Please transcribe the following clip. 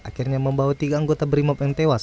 akhirnya membawa tiga anggota brimop yang tewas